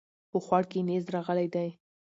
په خوړ کې نيز راغلی دی